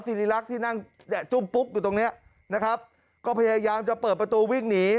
สิริรักษ์ที่นั่งเนี่ยจุ้มปุ๊กอยู่ตรงเนี้ยนะครับก็พยายามจะเปิดประตูวิ่งหนี